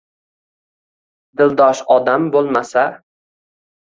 Dildosh odam bo’lmasa.